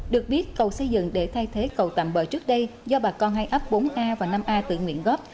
được biết cầu xây dựng để thay thế cầu tạm bờ trước đây do bà con hai ấp bốn a và năm a tự nguyện góp